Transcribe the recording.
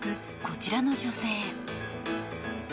こちらの女性。